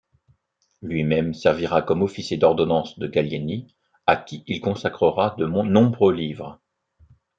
Lui-même servira comme officier d'ordonnance de Gallieni à qui il consacrera de nombreux livres.